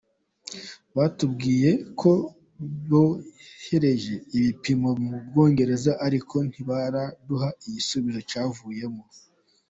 Batubwiye ko bohereje ibipimo mu Bwongereza ariko ntibaraduha igisubizo cyavuyemo.